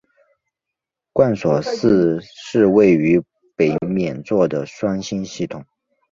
贯索四是位于北冕座的双星系统。